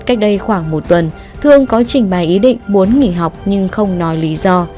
cách đây khoảng một tuần thương có trình bày ý định muốn nghỉ học nhưng không nói lý do